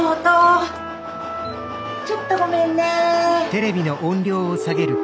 ちょっとごめんね。